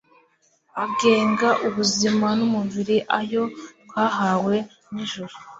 agenga ubuzima numubiri ayo twahawe nijuru